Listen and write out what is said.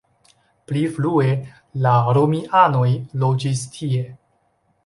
Pli frue la romianoj loĝis tie.